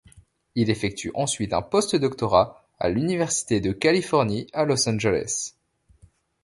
Il effectue ensuite un post-doctorat à l'Université de Californie à Los Angeles.